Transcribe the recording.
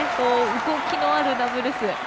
動きのあるダブルス。